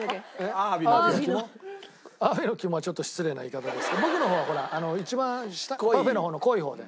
アワビの肝はちょっと失礼な言い方ですけど僕の方はほら一番下パフェの方の濃い方で。